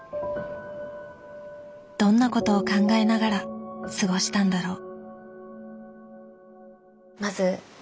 どんなことを考えながら過ごしたんだろう